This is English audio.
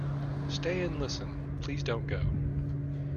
Stay and listen; please don't go